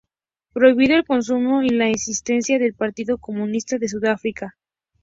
Prohibió el comunismo y la existencia del partido comunista en Sudáfrica.